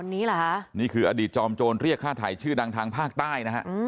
อันนี้คืออดีตจอมโจรเรียกฆ่าไถ่ชื่อดังทางภาคใต้